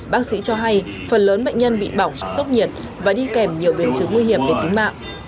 bác sĩ cho hay phần lớn bệnh nhân bị bỏng sốc nhiệt và đi kèm nhiều biến chứng nguy hiểm đến tính mạng